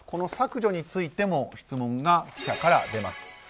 削除についても質問が記者から出ます。